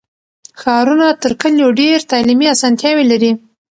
ښارونه تر کلیو ډېر تعلیمي اسانتیاوې لري.